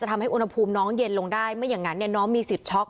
ทำให้อุณหภูมิน้องเย็นลงได้ไม่อย่างนั้นน้องมีสิทธิ์ช็อก